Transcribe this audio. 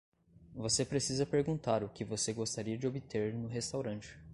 Você precisa perguntar o que você gostaria de obter no restaurante.